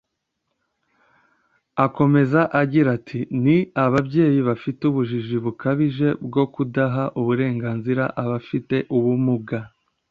Akomeza agira ati “Ni ababyeyi bafite ubujiji bukabije bwo kudaha uburenganzira abafite ubumuga